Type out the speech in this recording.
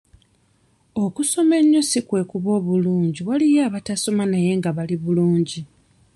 Okusoma ennyo si kwe kuba obulungi waliyo abataasoma naye nga bali bulungi.